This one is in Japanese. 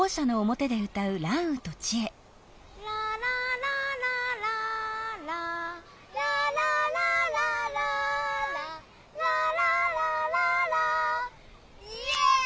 「ララララララ」「ララララララ」「ラララララ」イエイ！